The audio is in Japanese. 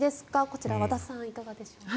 こちら、和田さんいかがですか。